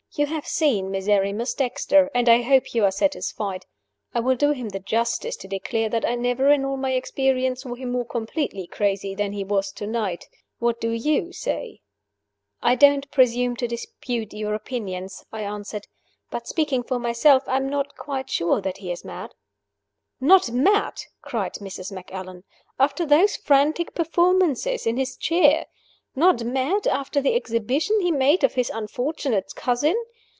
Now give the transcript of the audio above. "You have seen Miserrimus Dexter, and I hope you are satisfied. I will do him the justice to declare that I never, in all my experience, saw him more completely crazy than he was to night. What do you say?" "I don't presume to dispute your opinion," I answered. "But, speaking for myself, I'm not quite sure that he is mad." "Not mad!" cried Mrs. Macallan, "after those frantic performances in his chair? Not mad, after the exhibition he made of his unfortunate cousin?